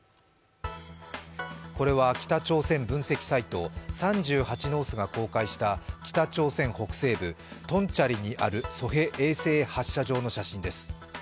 これは北朝鮮分析サイト、３８ノースが公開した北朝鮮北西部・トンチャンリにあるソヘ衛星発射場の写真です。